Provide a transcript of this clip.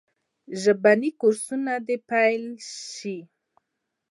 ژبني کورسونه دي پیل سي.